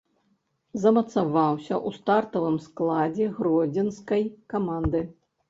Замацаваўся ў стартавым складзе гродзенскай каманды.